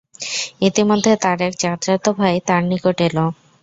ইতিমধ্যে তার এক চাচাত ভাই তার নিকট এল।